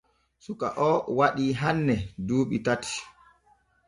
Suka o waɗi hanne duuɓi tati.